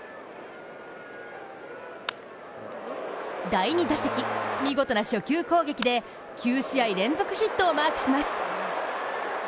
第２打席、見事な初球攻撃で９試合連続ヒットをマークします。